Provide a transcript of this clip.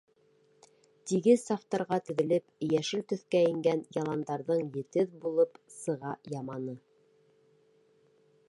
Тигеҙ сафтарға теҙелеп, Йәшел төҫкә ингән яландарҙың Етеҙ булып сыға яманы?